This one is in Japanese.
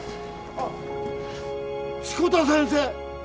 あっ志子田先生！？